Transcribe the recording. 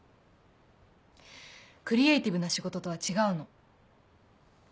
クリエーティブな仕事とは違うの。